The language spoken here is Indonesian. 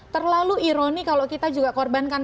terlalu ironi kalau kita juga korbankan